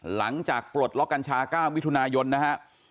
หลังจากปรดล็อกกัญชา๙วิทยานายนนะครับ